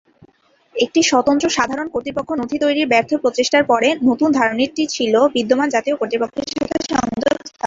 একটি স্বতন্ত্র সাধারণ কর্তৃপক্ষ নথি তৈরির ব্যর্থ প্রচেষ্টার পরে, নতুন ধারণাটি ছিল বিদ্যমান জাতীয় কর্তৃপক্ষের সাথে সংযোগ স্থাপন করা।